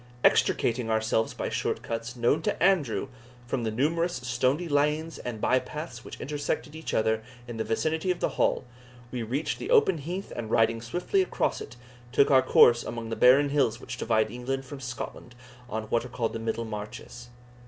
Extricating ourselves by short cuts, known to Andrew, from the numerous stony lanes and by paths which intersected each other in the vicinity of the Hall, we reached the open heath and riding swiftly across it, took our course among the barren hills which divide England from Scotland on what are called the Middle Marches.